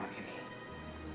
kalau kamu mau aku akan datang